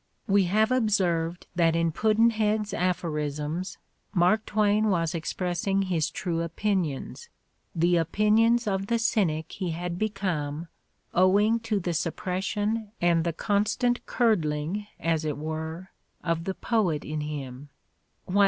We have observed that in Pudd'nhead's aphorisms Mark Twain was expressing his true opinions, the opin ions of the cynic he had become owing to the suppres sion and the constant curdling as it were of the poet in him.